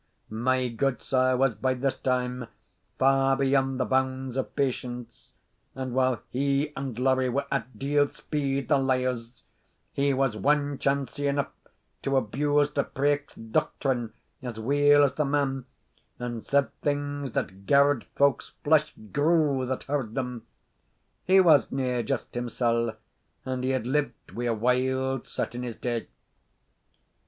My gudesire was, by this time, far beyond the bounds of patience, and, while he and Laurie were at deil speed the liars, he was wanchancie aneugh to abuse Lapraik's doctrine as weel as the man, and said things that garr'd folks' flesh grue that heard them he wasna just himsell, and he had lived wi' a wild set in his day.